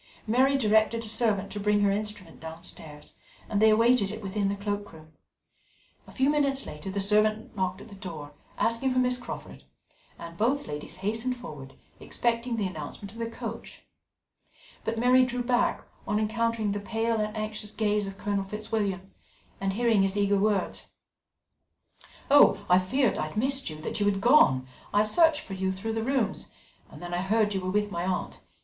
Mary directed a servant to bring her instrument downstairs, and they awaited it within the cloak room. A few minutes later the servant knocked at the door, asking for Miss Crawford, and both ladies hastened forward, expecting the announcement of their coach, but Mary drew back on encountering the pale and anxious gaze of Colonel Fitzwilliam, and hearing his eager words: "I feared I had missed you that you had gone I searched for you through the rooms and then I heard you were with my aunt.